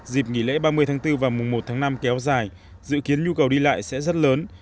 dịp nghỉ lễ ba mươi tháng bốn và mùng một tháng năm kéo dài dự kiến nhu cầu đi lại sẽ rất lớn